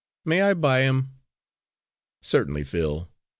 May I buy him?" "Certainly, Phil.